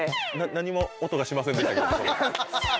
何も音がしませんでしたけど。